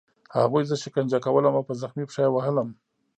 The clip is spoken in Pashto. هغوی زه شکنجه کولم او په زخمي پښه یې وهلم